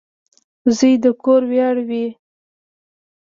• زوی د کور ویاړ وي.